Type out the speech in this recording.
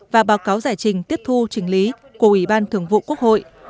và báo cáo giải trình tiếp thu trình lý của ủy ban thường vụ quốc hội